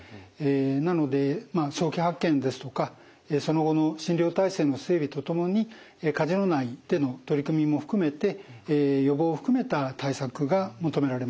なので早期発見ですとかその後の診療体制の整備とともにカジノ内での取り組みも含めて予防を含めた対策が求められます。